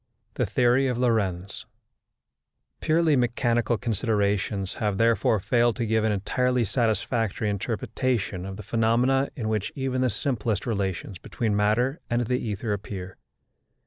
THE THEORY OF LORENTZ Purely mechanical considerations have therefore failed to give an entirely satisfactory interpretation of the phenomena in which even the simplest relations between matter and the ether appear.